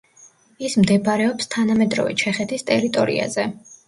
ის მდებარეობს თანამედროვე ჩეხეთის ტერიტორიაზე.